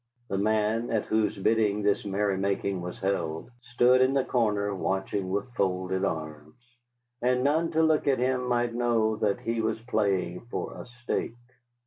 The man at whose bidding this merrymaking was held stood in a corner watching with folded arms, and none to look at him might know that he was playing for a stake.